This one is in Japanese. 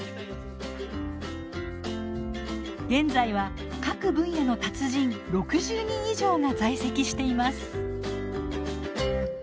現在は各分野の達人６０人以上が在籍しています。